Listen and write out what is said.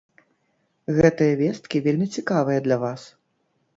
Гэтыя весткі вельмі цікавыя для вас!